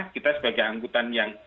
kita sebagai anggota yang